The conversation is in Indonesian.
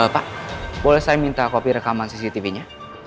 pak boleh saya minta kopi rekaman cctv nya